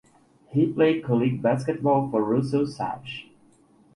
He played college basketball for Russell Sage.